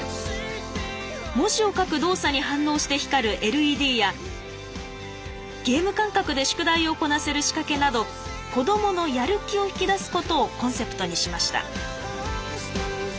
文字を書く動作に反応して光るＬＥＤやゲーム感覚で宿題をこなせる仕掛けなど子どものやる気を引き出すことをコンセプトにしました。